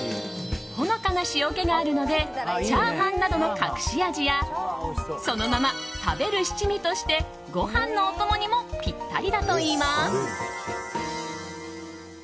ほのかな塩気があるのでチャーハンなどの隠し味やそのまま食べる七味としてご飯のお供にもぴったりだといいます。